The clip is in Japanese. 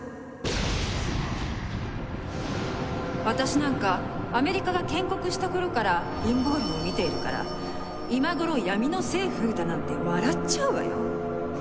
私なんかアメリカが建国した頃から陰謀論を見ているから今頃「闇の政府」だなんて笑っちゃうわよ。